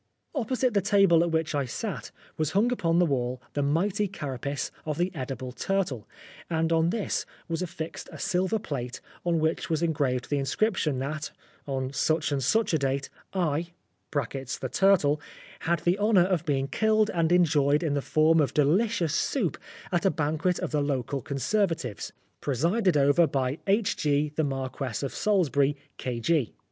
Opposite the table at which I sat was hung upon the wall the mighty carapace of the edible turtle, and on this was affixed a silver plate on which was engraved the inscription that, on such and such a date, "I" (the turtle) "had the honour of being killed and enjoyed in the form of delicious soup at a banquet of the local Conservatives, presided over by H.G. the Marquess of Salisbury, K.G."